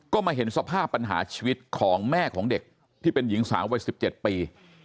ก็มาเห็นสภาพปัญหาชีวิตของแม่ของเด็กที่เป็นหญิงสาววัย๑๗ปี